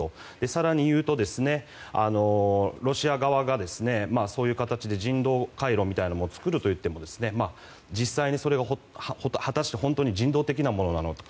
更にいうと、ロシア側がそういう形で人道回廊みたいなものも作るといっても実際に果たしてそれが人道的なものなのか。